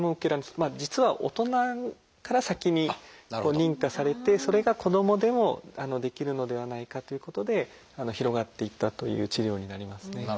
実は大人から先に認可されてそれが子どもでもできるのではないかということで広がっていったという治療になりますね。